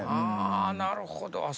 あなるほど。